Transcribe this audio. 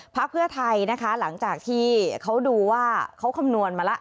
พักเพื่อไทยนะคะหลังจากที่เขาดูว่าเขาคำนวณมาแล้ว